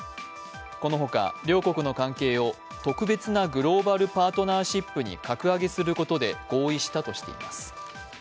この他、両国の関係を特別なグローバルパートナーシップに格上げすることで合意したとしています。